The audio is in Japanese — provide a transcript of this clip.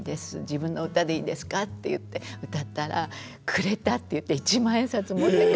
自分の歌でいいですか」って言って歌ったらくれたって言って一万円札持って帰ってきたりね。